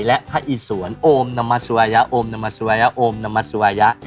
และฮะอิสวรโอมนมัสวัยะโอมนมัสวัยะโอมนมัสวัยะ